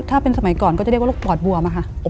ถ้าเป็นสมัยก่อนก็จะเรียกว่าโรคปอดบวมอะค่ะ